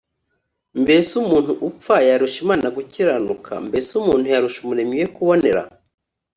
‘mbese umuntu upfa yarusha imana gukiranuka’ mbese umuntu yarusha umuremyi we kubonera’’